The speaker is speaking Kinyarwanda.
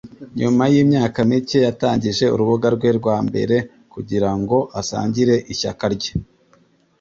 Nyuma yimyaka mike, yatangije urubuga rwe rwa mbere kugirango asangire ishyaka rye.